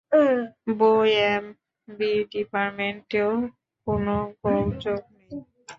বোএমবি ডিপার্টমেন্টেও কোনও গোলযোগ নেই।